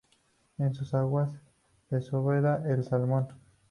En sus aguas desova el salmón.